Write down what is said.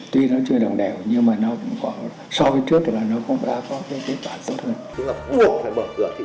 tuy nó chưa đồng đều nhưng mà nó cũng có so với trước là nó cũng đã có kết quả sớt hơn